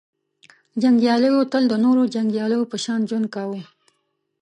• جنګیالیو تل د نورو جنګیالیو په شان ژوند کاوه.